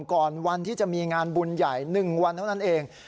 ก่อนวันที่จะมีงานบุญใหญ่๑วันเท่านั้นเอง